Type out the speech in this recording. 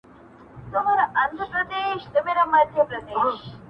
د لور حالت لا خرابېږي او درد زياتېږي هره شېبه,